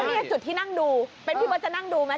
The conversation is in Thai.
เป็นจุดที่นั่งดูผลัดจะนั่งดูไหม